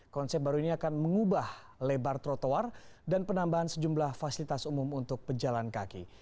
konsep baru ini akan mengubah lebar trotoar dan penambahan sejumlah fasilitas umum untuk pejalan kaki